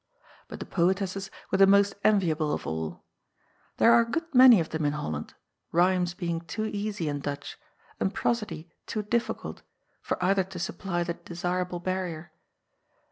But the poetesses were the most enviable of all. There are a good many of them in Holland, rhymes being too easy in Dutch, and prosody too difficult, for either to supply the desirable barrier.